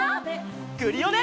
クリオネ！